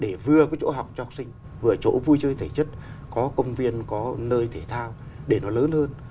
để vừa có chỗ học cho học sinh vừa chỗ vui chơi thể chất có công viên có nơi thể thao để nó lớn hơn